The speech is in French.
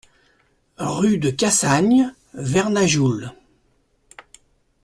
Rue de Cassagne, Vernajoul